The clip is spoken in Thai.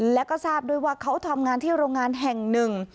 แล้วก็ทราบด้วยว่าเขาทำงานที่โรงงานแห่งหนึ่ง